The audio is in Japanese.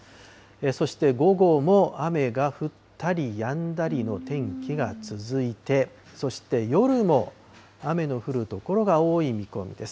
そして午後も、雨が降ったりやんだりの天気が続いて、そして、夜も雨の降る所が多い見込みです。